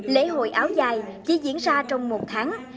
lễ hội áo dài chỉ diễn ra trong một tháng